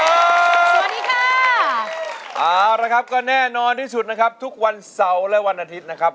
สวัสดีค่ะเอาละครับก็แน่นอนที่สุดนะครับทุกวันเสาร์และวันอาทิตย์นะครับ